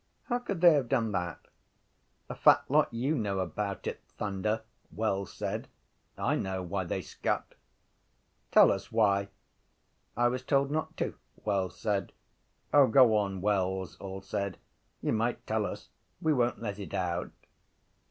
How could they have done that? —A fat lot you know about it, Thunder! Wells said. I know why they scut. —Tell us why. —I was told not to, Wells said. —O, go on, Wells, all said. You might tell us. We won’t let it out.